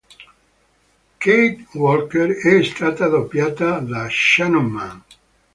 Kate Walker è stata doppiata da Shannon Mann.